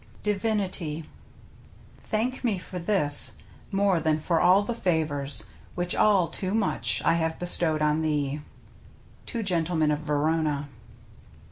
^"'^" DIVINITY " Thank me for this, more than for all the favors. Which all too much I have hestorved on thee. — Two Gentlemen of Verona.